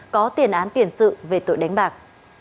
có tiền án tiền sự về tội đánh bạc